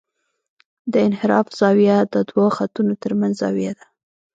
د انحراف زاویه د دوه خطونو ترمنځ زاویه ده